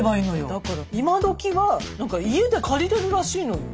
だから今どきは何か家で借りれるらしいのよ。